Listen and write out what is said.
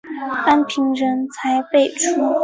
安平人才辈出。